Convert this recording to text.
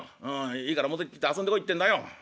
いいから表行って遊んでこいってんだよ」。